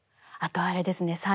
あとあれですね